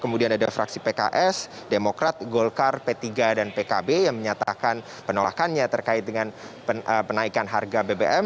kemudian ada fraksi pks demokrat golkar p tiga dan pkb yang menyatakan penolakannya terkait dengan penaikan harga bbm